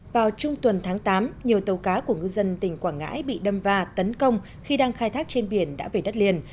vào trung tuần tháng tám nhiều tàu cá của ngư dân tỉnh quảng ngãi bị đâm va tấn công khi đang khai thác trên biển đã về đất liền